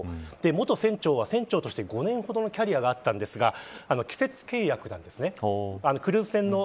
元船長は、船長として５年ほどのキャリアがありましたが季節契約なんです。